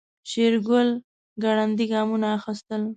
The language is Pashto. شېرګل ګړندي ګامونه اخيستل.